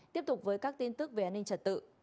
tiếp tục với các tin tức về an ninh trật tự